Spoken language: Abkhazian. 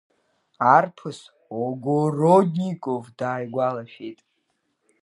Арԥыс Огородников дааигәалашәеит…